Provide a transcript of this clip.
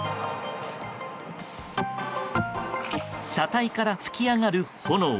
車体から噴き上がる炎。